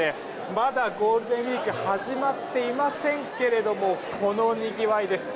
まだゴールデンウィーク始まっていませんけれどもこのにぎわいです。